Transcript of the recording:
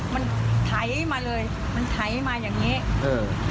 มันไถมาเลยมันไถมาอย่างงี้เออ